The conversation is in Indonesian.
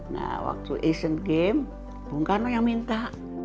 nah waktu asian games bung karno yang minta